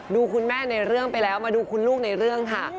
คุณแม่ในเรื่องไปแล้วมาดูคุณลูกในเรื่องค่ะ